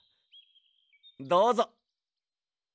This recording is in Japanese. どうぞ。